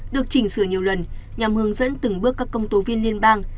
được chỉnh sửa nhiều lần nhằm hướng dẫn từng bước các công tố viên liên bang